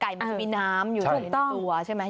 มันจะมีน้ำอยู่ในตัวใช่ไหม